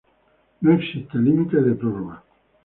No existe límite de prórroga.